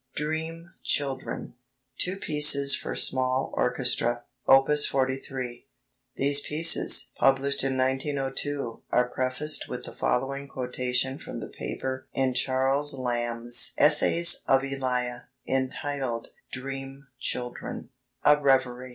"DREAM CHILDREN," TWO PIECES FOR SMALL ORCHESTRA: Op. 43 These pieces, published in 1902, are prefaced with the following quotation from the paper in Charles Lamb's Essays of Elia entitled "Dream Children; A Revery"